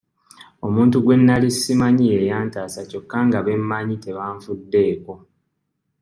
Omuntu gwe nali simanyi ye yantaasa kyokka nga be mmanyi tebanfuddeeko.